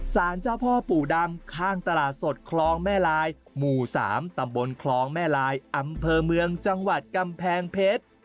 สารเจ้าพ่อปู่ดำข้างตลาดสดคลองแม่ลายหมู่๓ตำบลคลองแม่ลายอำเภอเมืองจังหวัดกำแพงเพชร